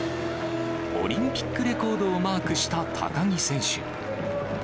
オリンピックレコードをマークした高木選手。